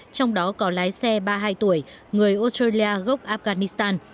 trong đó có lái xe ba mươi hai tuổi người australia gốc afghanistan